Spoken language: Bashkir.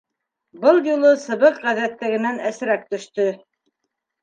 Был юлы сыбыҡ ғәҙәттәгенән әсерәк төштө.